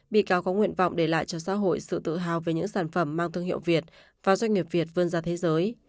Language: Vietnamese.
bị cáo có nguyện vọng để lại cho xã hội sự tự hào về những sản phẩm mang thương hiệu việt và doanh nghiệp việt vươn ra thế giới